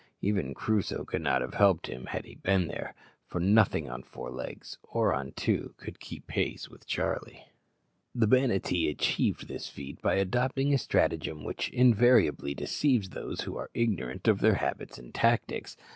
Even Crusoe could not have helped him had he been there, for nothing on four legs, or on two, could keep pace with Charlie. The Banattee achieved this feat by adopting a stratagem which invariably deceives those who are ignorant of their habits and tactics.